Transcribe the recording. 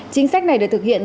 chính sách này được thực hiện